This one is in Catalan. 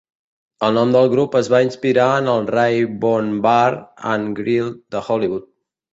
El nom del grup es va inspirar en el Rainbow Bar and Grill de Hollywood.